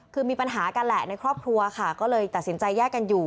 คือมีปัญหากันแหละในครอบครัวค่ะก็เลยตัดสินใจแยกกันอยู่